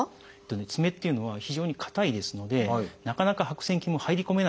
爪っていうのは非常にかたいですのでなかなか白癬菌も入り込めないんですね。